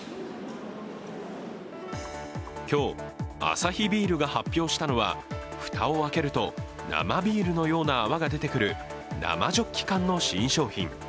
今日、アサヒビールが発表したのは蓋を開けると、生ビールのような泡が出てくる生ジョッキ缶の新商品。